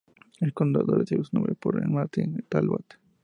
El condado recibe su nombre por Matthew Talbot.